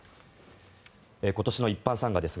来年の一般参賀ですが